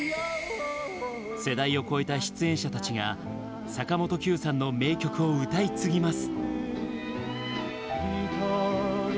世代を超えた出演者たちが坂本九さんの名曲を歌い継ぎます。